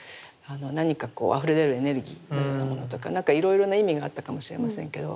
何かこうあふれ出るエネルギーというようなものとか何かいろいろな意味があったかもしれませんけど。